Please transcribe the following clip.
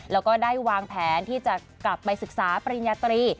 แล้วก็ได้วางแผนที่จะกลับไปศึกษาปริญญาตรี